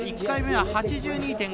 １回目は８２．５０。